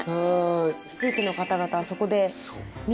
地域の方々はそこで。